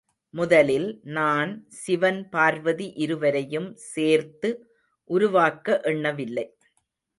முதலில் நான் சிவன் பார்வதி இருவரையும் சேர்த்து உருவாக்க எண்ணவில்லை.